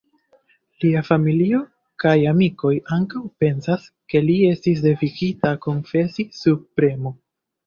Lia familio kaj amikoj ankaŭ pensas, ke li estis devigita konfesi sub premo.